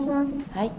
はい。